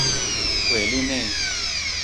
韦利内。